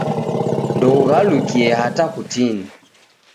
Ndoughalukie hata kutini.